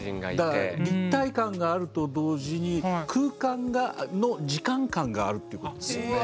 だから立体感があると同時に空間の時間感があるってことですよね。